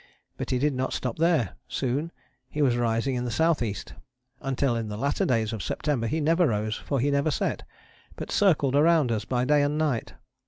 But he did not stop there. Soon he was rising in the S.E. until in the latter days of September he never rose, for he never set; but circled round us by day and night.